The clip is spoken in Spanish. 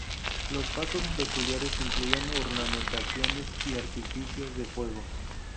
Los fastos peculiares incluían ornamentaciones y artificios de fuego.